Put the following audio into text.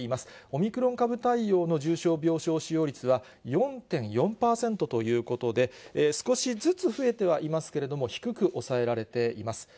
オミクロン株対応の重症病床使用率は、４．４％ということで、少しずつ増えてはいますけれども、低く抑えられています。